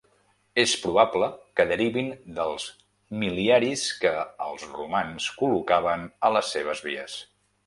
És probable que derivin dels mil·liaris que els romans col·locaven a les seves vies.